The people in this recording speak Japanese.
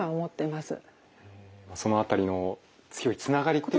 その辺りの強いつながりっていう。